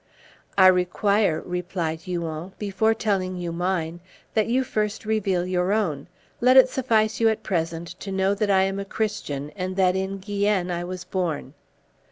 "I require," replied Huon, "before telling you mine, that you first reveal your own; let it suffice you at present to know that I am a Christian, and that in Guienne I was born."